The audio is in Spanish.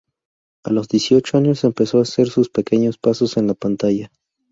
A los dieciocho años empezó a hacer sus pequeños pasos en la pantalla.